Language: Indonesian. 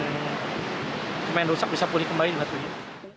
kemain rusak bisa pun dikembalikan batu hiu